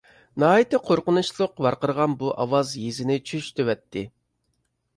ناھايىتى قورقۇنچلۇق ۋارقىرىغان بۇ ئاۋاز يېزىنى چۆچۈتۈۋەتتى.